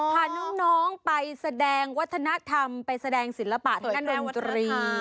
พาน้องไปแสดงวัฒนธรรมไปแสดงศิลปะทางด้านดนตรี